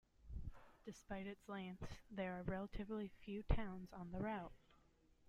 Despite its length, there are relatively few towns on the route.